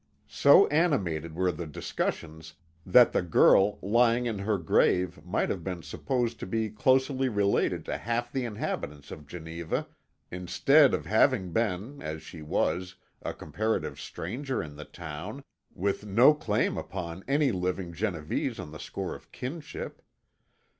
So animated were the discussions that the girl lying in her grave might have been supposed to be closely related to half the inhabitants of Geneva, instead of having been, as she was, a comparative stranger in the town, with no claim upon any living Genevese on the score of kinship.